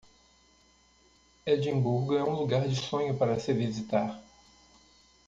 Edimburgo é um lugar de sonho para se visitar.